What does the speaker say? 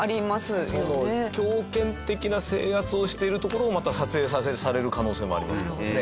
強権的な制圧をしているところをまた撮影される可能性もありますからね。